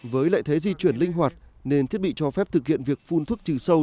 với lệ thế di chuyển linh hoạt nên thiết bị cho phép thực hiện việc phun thuốc trừ sâu